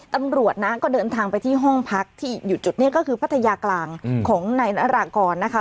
ตำรวจนะก็เดินทางไปที่ห้องพักที่อยู่จุดนี้ก็คือพัทยากลางของนายนารากรนะคะ